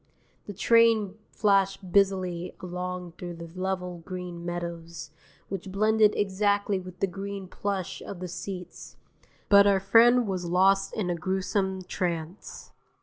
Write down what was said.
The train flashed busily along through the level green meadows, which blended exactly with the green plush of the seats, but our friend was lost in a gruesome trance.